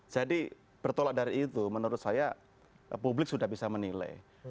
jadi bertolak dari itu menurut saya publik sudah bisa menilai